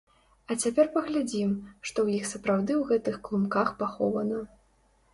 А цяпер паглядзім, што ў іх сапраўды ў гэтых клумках пахована.